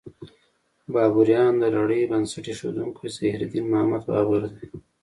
بابریان: د لړۍ بنسټ ایښودونکی ظهیرالدین محمد بابر دی.